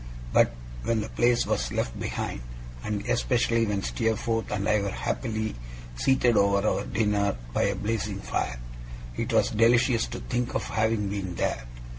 But, when the place was left behind, and especially when Steerforth and I were happily seated over our dinner by a blazing fire, it was delicious to think of having been there.